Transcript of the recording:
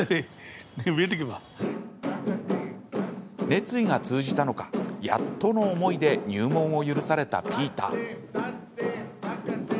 熱意が通じたのかやっとの思いで入門を許されたピーター。